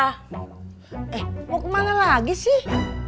eh mau kemana lagi sih